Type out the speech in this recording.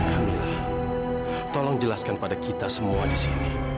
kamilah tolong jelaskan pada kita semua di sini